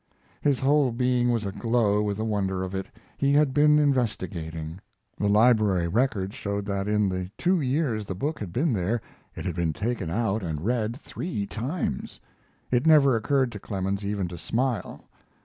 His whole being was aglow with the wonder of it. He had been investigating; the library records showed that in the two years the book had been there it had been taken out and read three times! It never occurred to Clemens even to smile.